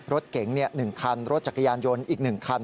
รถเก๋ง๑คันรถจักรยานยนต์อีก๑คัน